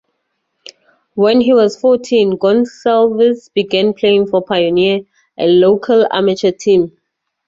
When he was fourteen, Gonsalves began playing for Pioneer, a local amateur team.